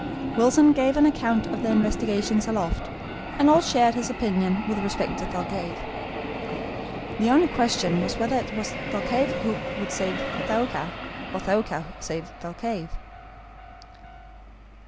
Wilson gave an account of their investigations aloft, and all shared his opinion with respect to Thalcave. The only question was whether it was Thalcave who would save Thaouka, or Thaouka save Thalcave.